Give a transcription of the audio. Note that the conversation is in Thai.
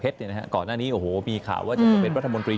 เพ็ตเนี่ยนะฮะก่อนหน้านี้โอ้โหมีข่าวว่าจะเป็นรัฐมนตรี